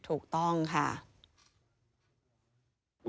ถูกต้องค่ะ